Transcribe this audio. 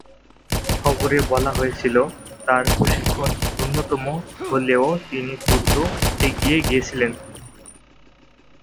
খবরে বলা হয়েছে, তার প্রশিক্ষণ ন্যূনতম হলেও তিনি দ্রুত এগিয়ে গিয়েছিলেন।